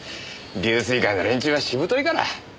龍翠会の連中はしぶといから。